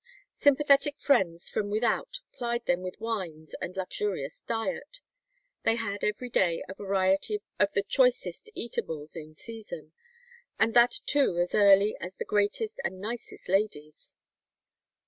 Sympathetic friends from without plied them with wines and luxurious diet. They had every day a variety of the choicest eatables in season, "and that too as early as the greatest and nicest ladies."